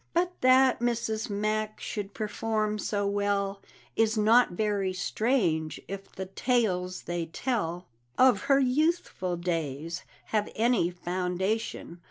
But that Mrs. Mac should perform so well Is not very strange, if the tales they tell Of her youthful days have any foundation.